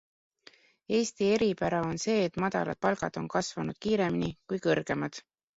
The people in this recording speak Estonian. Eesti eripära on see, et madalad palgad on kasvanud kiiremini kui kõrgemad.